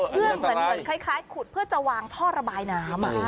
เพื่อเหมือนคล้ายขุดเพื่อจะวางท่อระบายน้ำ